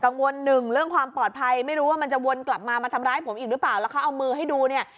หนึ่งเรื่องความปลอดภัยไม่รู้ว่ามันจะวนกลับมามาทำร้ายผมอีกหรือเปล่าแล้วเขาเอามือให้ดูเนี่ย